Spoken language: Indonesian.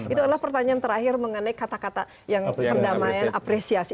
itu adalah pertanyaan terakhir mengenai kata kata yang perdamaian apresiasi